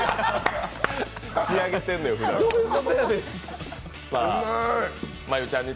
仕上げてんのよ、ふだん。